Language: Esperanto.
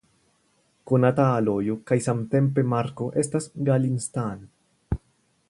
Konata alojo kaj samtempe marko estas "Galinstan".